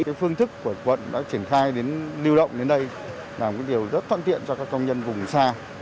cái phương thức của quận đã triển khai đến lưu động đến đây là một điều rất toàn thiện cho các công nhân vùng xa